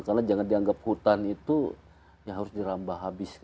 karena jangan dianggap hutan itu ya harus dirambah habis